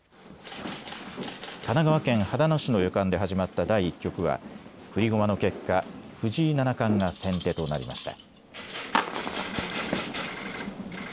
神奈川県秦野市の旅館で始まった第１局は振り駒の結果、藤井七冠が先手となりました。